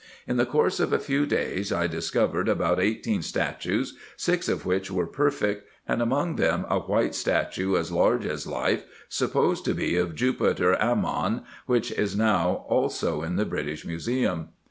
In the course of a few days I dis covered about eighteen statues, six of which were perfect, and among them a white statue as large as life, supposed to be of Jupiter Amnion, which is now also in the British Museum.